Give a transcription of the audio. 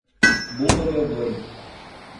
Bumba meu boi